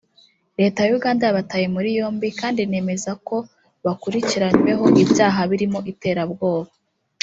Leta ya Uganda yabataye muri yombi kandi inemeza ko bakurikiranyweho ibyaha birimo iterabwoba